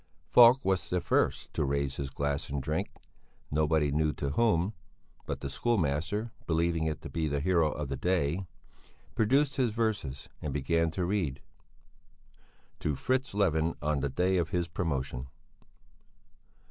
Falk was the first to raise his glass and drink nobody knew to whom but the schoolmaster, believing it to be to the hero of the day, produced his verses and began to read "To Fritz Levin on the Day of his Promotion."